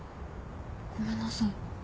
ごめんなさい。